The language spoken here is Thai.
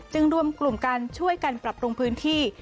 รวมกลุ่มกันช่วยกันปรับปรุงพื้นที่